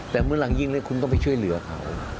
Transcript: แต่เมื่อหลังยิงเลยคุณต้องไปช่วยเหลือเขา